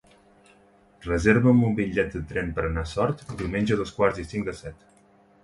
Reserva'm un bitllet de tren per anar a Sort diumenge a dos quarts i cinc de set.